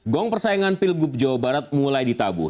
gong persaingan pilgub jawa barat mulai ditabur